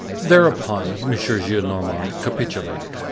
Thereupon, M. Gillenormand capitulated.